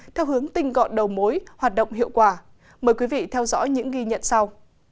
theo hướng tinh gọn đầu mối hoạt động hiệu quả mời quý vị theo dõi những ghi nhận sau